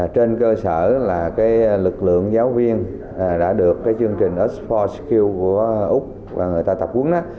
trên cơ sở là lực lượng giáo viên đã được chương trình earth bốn skills của úc và người ta tập quấn